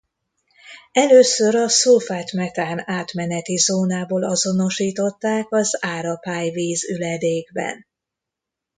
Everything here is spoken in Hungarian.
Először a szulfát-metán átmeneti zónából azonosították az árapályvíz üledékben.